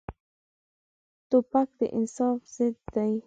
توپک د انصاف ضد دی.